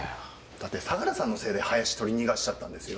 だって相良さんのせいで林取り逃がしちゃったんですよ。